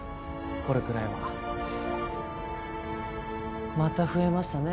これくらいはまた増えましたね